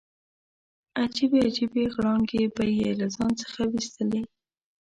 عجیبې عجیبې غړانګې به یې له ځان څخه ویستلې.